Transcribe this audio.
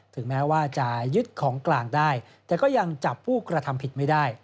ถึงแม้ว่าจะยึดของกลางได้แต่ก็ยังจับผู้กระทำผิดไม่ได้